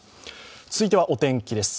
続いてはお天気です。